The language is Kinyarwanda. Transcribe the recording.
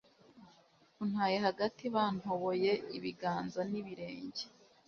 untaye hagati bantoboye ibiganza n ibirenge